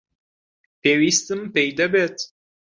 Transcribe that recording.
پێویستم پێی دەبێت.